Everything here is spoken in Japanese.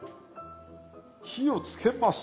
火をつけます。